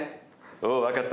おう、分かった。